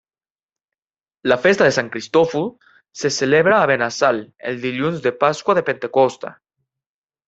La festa de Sant Cristòfol se celebra a Benassal el dilluns de Pasqua de Pentecosta.